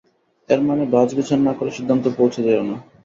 এর মানে বাছবিচার না করে সিদ্ধান্তে পৌঁছে যেও না।